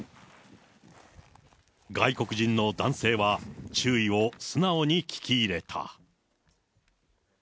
外国人の男性は注意を素直に聞き入れた。